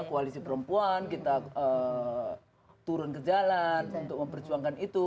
koalisi perempuan kita turun ke jalan untuk memperjuangkan itu